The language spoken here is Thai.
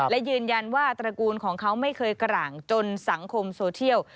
และยืนยันว่าตระกูลของเขาไม่เคยกร่างจนสังคมโซเทียล